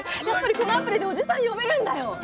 やっぱりこのアプリでおじさん呼べるんだよ。